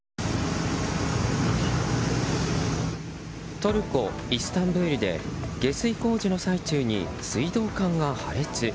トルコ・イスタンブールで下水工事の最中に水道管が破裂。